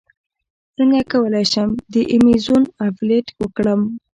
څنګه کولی شم د ایمیزون افیلیټ وکړم